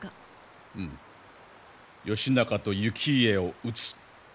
うむ義仲と行家を討つ！